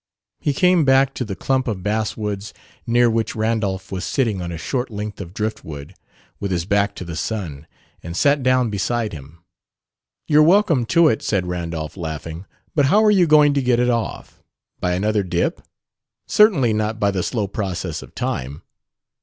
He came back to the clump of basswoods near which Randolph was sitting on a short length of drift wood, with his back to the sun, and sat down beside him. "You're welcome to it," said Randolph, laughing; "but how are you going to get it off? By another dip? Certainly not by the slow process of time.